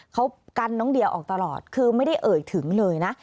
เขากันน้องเดียออกตลอดคือไม่ได้เอ่ยถึงเลยนะ